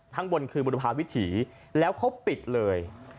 ข้างบนคือบุรพาวิถีแล้วเขาปิดเลย